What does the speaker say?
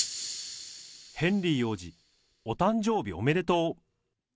ヘンリー王子、お誕生日おめでとう！